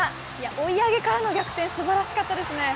追い上げからの逆転、すばらしかったですね。